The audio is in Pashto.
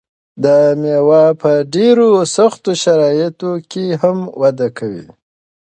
دا مېوه په ډېرو سختو شرایطو کې هم وده کوي.